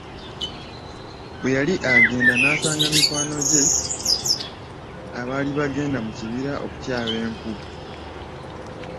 Bwe yali agenda n'asanga mikwano gye abaali bagenda mu kibira okutyaba enku.